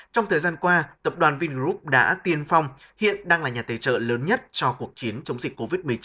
trong thời gian qua tập đoàn vingroup đã tiên phong hiện đang là nhà tài trợ lớn nhất cho cuộc chiến chống dịch covid một mươi chín